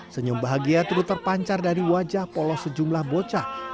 senyum bahagia turut terpancar dari wajah polos sejumlah bocah